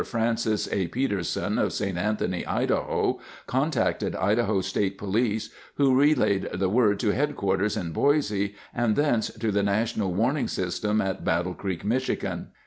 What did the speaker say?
Francis A. Peterson of St. Anthony, Idaho, contacted Idaho State Police, who relayed the word to HQ in Boise, and thence to the National Warning System at Battle Creek, Michigan.